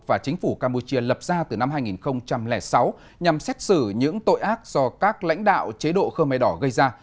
và chính phủ campuchia lập ra từ năm hai nghìn sáu nhằm xét xử những tội ác do các lãnh đạo chế độ khơ mê đỏ gây ra